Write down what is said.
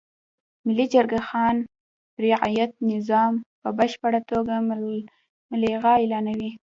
ملي جرګه خان رعیت نظام په بشپړه توګه ملغا اعلانوي.